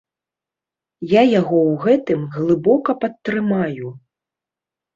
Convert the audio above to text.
Я яго ў гэтым глыбока падтрымаю.